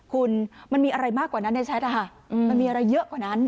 คุณมันมีอะไรมากกว่านั้นในแชทมันมีอะไรเยอะกว่านั้น